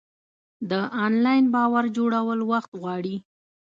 د انلاین باور جوړول وخت غواړي.